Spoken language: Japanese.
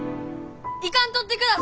行かんとってください！